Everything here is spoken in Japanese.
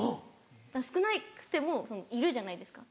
少なくてもいるじゃないですか